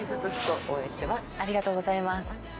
ありがとうございます。